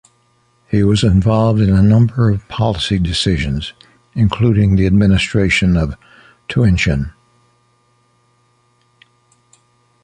He was involved in a number of policy decisions, including the administration of "tuntian".